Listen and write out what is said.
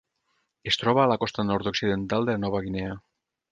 Es troba a la costa nord-occidental de Nova Guinea.